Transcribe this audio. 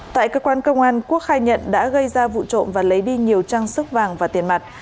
tại cơ quan công an quốc khai nhận đã gây ra vụ trộm và lấy đi nhiều trang sức vàng và tiền mặt